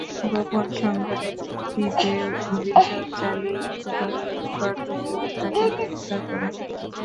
পোপন সংবাদের ভিত্তিতে অভিযান চালিয়ে গতকাল রোববার দুপুরে তাঁদের গ্রেপ্তার করা হয়।